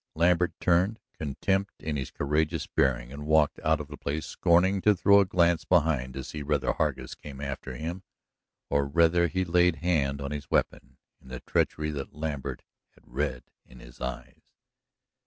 Lambert turned, contempt in his courageous bearing, and walked out of the place, scorning to throw a glance behind to see whether Hargus came after him, or whether he laid hand to his weapon in the treachery that Lambert had read in his eyes.